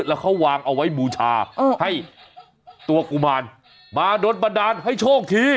แล้วเขาวางเอาไว้บูชาให้ตัวกุมารมาโดนบันดาลให้โชคที